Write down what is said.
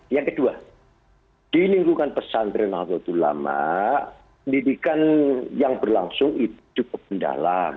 yang kedua di lingkungan pesantren nalutulama pendidikan yang berlangsung itu ke pendalam